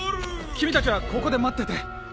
君たちはここで待ってて。